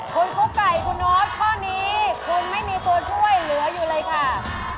คุณครูไก่คุณเนาทช่วงนี้คงไม่มีตัวช่วยเหลืออยู่เลยค่ะ